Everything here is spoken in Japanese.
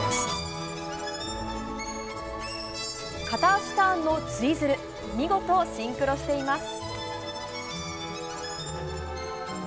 片足ターンのツイズル見事、シンクロしています。